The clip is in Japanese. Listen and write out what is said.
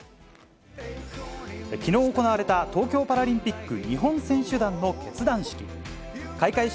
きのう行われた東京パラリンピック日本選手団の結団式。